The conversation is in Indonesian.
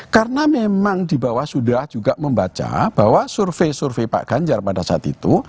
karena memang di bawah sudah juga membaca bahwa survei survei pak ganjar pada saat itu